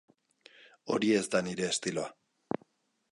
Hori ez da nire estiloa.